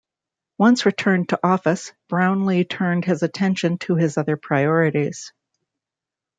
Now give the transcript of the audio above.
Once returned to office, Brownlee turned his attention to his other priorities.